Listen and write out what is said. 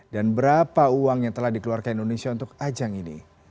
dan berapa uang yang telah dikeluarkan indonesia untuk ajang ini